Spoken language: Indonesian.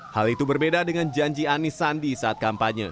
hal itu berbeda dengan janji anis sandi saat kampanye